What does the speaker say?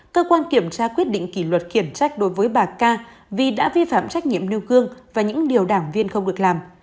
cơ quan kiểm tra quyết định kỷ luật khiển trách đối với bà ca vì đã vi phạm trách nhiệm nêu gương và những điều đảng viên không được làm